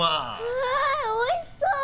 うわあおいしそう！